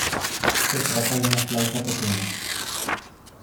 Se trata de una flauta pequeña.